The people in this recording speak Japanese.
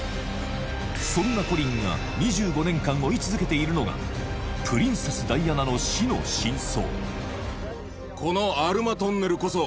そんなコリンが２５年間追い続けているのがプリンセス・ダイアナの死の真相